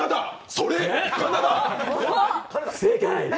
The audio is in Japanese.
それ、不正解。